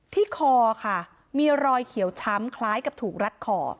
คอค่ะมีรอยเขียวช้ำคล้ายกับถูกรัดคอ